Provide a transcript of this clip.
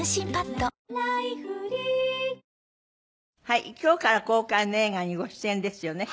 はい今日から公開の映画にご出演ですよね。